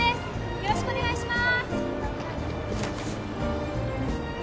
よろしくお願いします